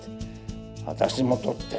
私も撮って！